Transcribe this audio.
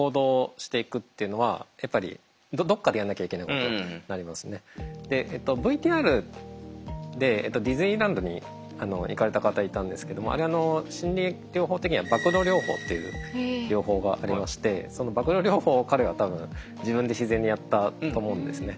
原則として社交不安障害の時はＶＴＲでディズニーランドに行かれた方いたんですけどもあれ心理療法的には曝露療法っていう療法がありましてその曝露療法を彼は多分自分で自然にやったと思うんですね。